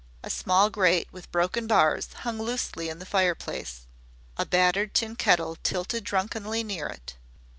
A small grate with broken bars hung loosely in the fireplace, a battered tin kettle tilted drunkenly near it.